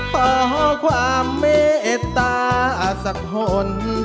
เพราะความเมตตาสักห่วง